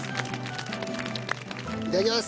いただきます。